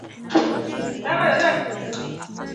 هغه پتېيلې وه چې يا به مرګ وي يا ارګ.